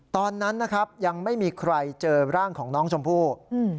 ตอนนั้นนะครับยังไม่มีใครเจอร่างของน้องชมพู่อืม